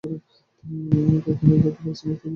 তাই তিনি নির্ধারিত পারিশ্রমিক থেকে বেশি দাবি করে বসেন।